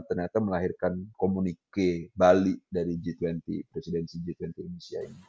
ternyata melahirkan komunike bali dari g dua puluh presidensi g dua puluh indonesia ini